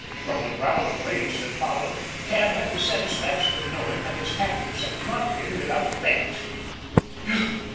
From the growl of rage that followed, Tad had the satisfaction of knowing that his tactics had not been without effect.